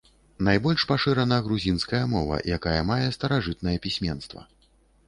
Найбольш пашырана грузінская мова, якая мае старажытнае пісьменства.